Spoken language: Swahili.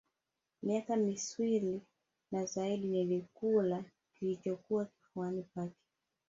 Miaka miswili na zaidi nilikula kilichokuwa kifuani pake